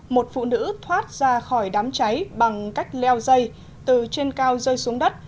một phụ nữ thoát ra khỏi đám cháy bằng cách leo dây từ trên cao rơi xuống đất